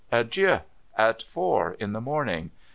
Adieu ! At four in the morning.'